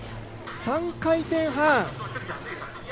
３回転半。